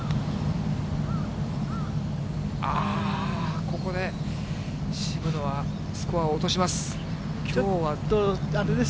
ああ、ここで、渋野はスコアを落とします。